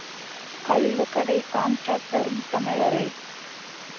கள்ளுக்கடை காண்ட்ராக்டரும் தமிழரே.